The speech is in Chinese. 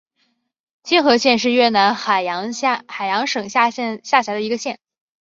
青河县是越南海阳省下辖的一个县。